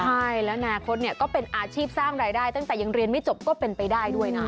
ใช่แล้วอนาคตก็เป็นอาชีพสร้างรายได้ตั้งแต่ยังเรียนไม่จบก็เป็นไปได้ด้วยนะ